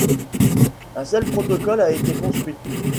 Un seul prototype a été construit.